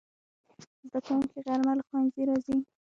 زدهکوونکي غرمه له ښوونځي راځي